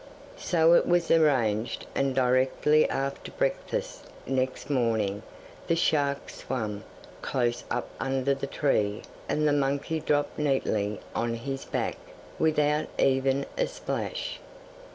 So it was arranged, and directly after breakfast next morning the shark swam close up under the tree and the monkey dropped neatly on his back, without even a splash.